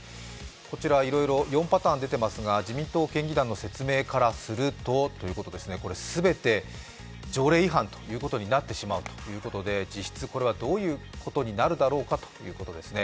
こちら４パターンが出ていますが、自民党県議団からすると全て条例違反となってしまうということで、実質、これはどういうことになるだろうかということですね。